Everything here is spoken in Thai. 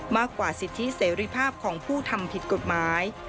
มากกว่าสิทธิเสรีภาพของผู้ทำผิดกฎหมาย